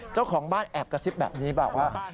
เจ้าของบ้านแอบกระซิบแบบนี้บอกว่า